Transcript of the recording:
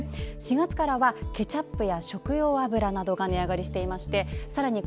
４月からはケチャップや食用油などが値上がりしていてさらに